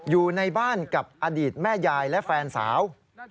อยู่ในบ้านกับอดีตแม่ยายและแฟนสาว